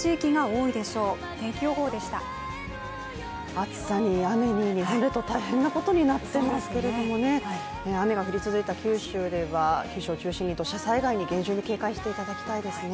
暑さに雨に日本列島大変なことになっておりますけれども雨が降り続いた九州を中心に土砂災害に厳重に警戒していただきたいですね